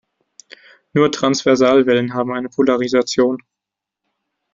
Nur Transversalwellen haben eine Polarisation.